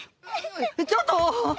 ちょっと！